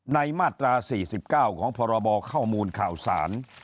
มาตรา๔๙ของพรบข้อมูลข่าวสาร